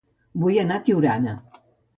Vull anar a Tiurana